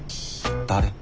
誰？